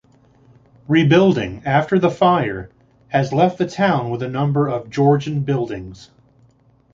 Rebuilding after the fire has left the town with a number of Georgian buildings.